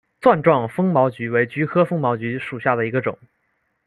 钻状风毛菊为菊科风毛菊属下的一个种。